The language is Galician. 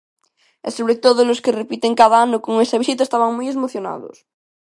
E sobre todo os que repiten cada ano con esa visita estaban moi emocionados.